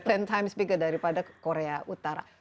ten times bigger daripada korea utara